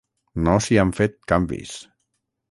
No s'hi han fet canvis.